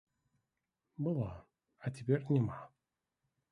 Была, а цяпер няма.